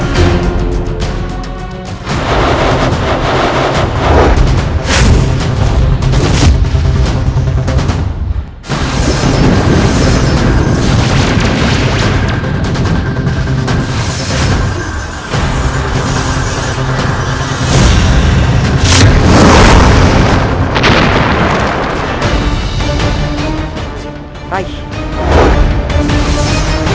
guru tangkap ini